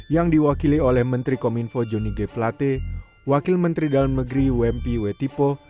yang diwakili oleh menteri kominfo jonny g plate wakil menteri dalam negeri wempi wetipo